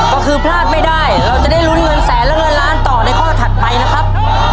ก็คือพลาดไม่ได้เราจะได้ลุ้นเงินแสนและเงินล้านต่อในข้อถัดไปนะครับ